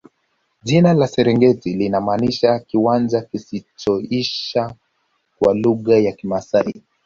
jina la serengeti linamaanisha kiwanja kisichoisha kwa lugha ya kimaasai